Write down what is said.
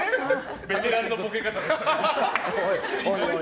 ベテランのボケ方でしたね。